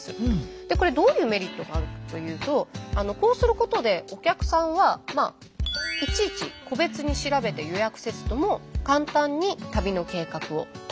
でこれどういうメリットがあるかというとこうすることでお客さんはまあいちいち個別に調べて予約せずとも簡単に旅の計画を立てられますよね。